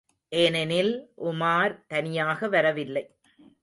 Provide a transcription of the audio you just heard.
ஏனெனில், உமார் தனியாக வரவில்லை.